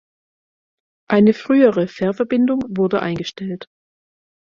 Eine frühere Fährverbindung wurde eingestellt.